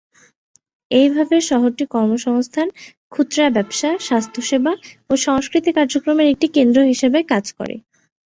এইভাবে শহরটি কর্মসংস্থান, খুচরা-ব্যবসা, স্বাস্থ্যসেবা ও সংস্কৃতি কার্যক্রমের একটি কেন্দ্র হিসাবে কাজ করে।